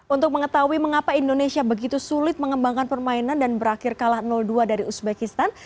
untuk mengetahui mengapa indonesia begitu sulit mengembangkan permainan dan berakhir kalah dua dari uzbekistan